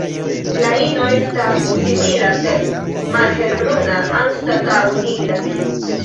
La ino estas simila, sed malhelbruna anstataŭ nigra.